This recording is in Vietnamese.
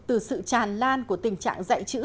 từ sự tràn lan của tình trạng dạy chữ